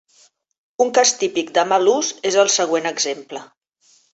Un cas típic de mal ús és el següent exemple.